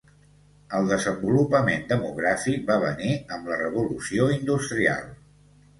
El desenvolupament demogràfic va venir amb la revolució industrial.